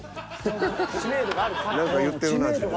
何か言ってるな自分で。